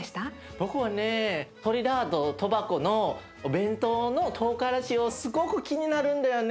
僕はねトリニダード・トバゴのお弁当のトウガラシをすごく気になるんだよね。